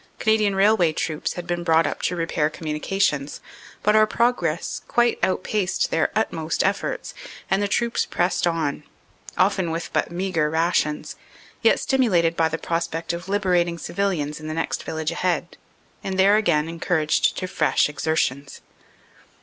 Canadian Railway Troops had been brought up to repair communications, but our progress quite outpaced their utmost efforts, and the troops pressed on, often with but meagre rations, yet stimulated by the prospect of liberating civilians in the next village ahead, and there again encouraged to fresh exertions.